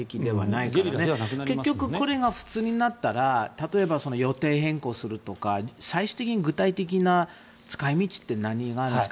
結局、これが普通になったら例えば、予定変更するとか最終的な、具体的な使い道って何があるんですか？